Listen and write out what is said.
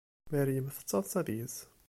Meryem tettaḍsa deg-s.